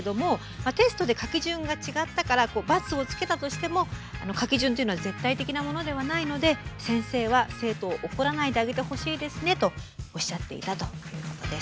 まあテストで書き順が違ったからバツをつけたとしても書き順っていうのは絶対的なものではないので先生は生徒を怒らないであげてほしいですねとおっしゃっていたということです。